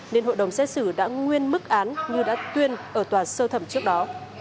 nên hội đồng xét xử đã nguyên mức án như đã tuyên ở tòa sơ thẩm trước đó